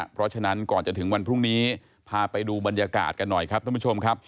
เพราะฉะนั้นก่อนจะถึงวันพรุ่งนี้พาไปดูบรรยากาศกันหน่อยครับท่านผู้ชมครับ